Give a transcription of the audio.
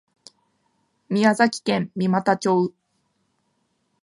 宮崎県三股町